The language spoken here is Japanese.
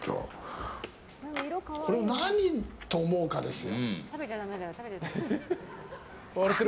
これを何と思うかですよ。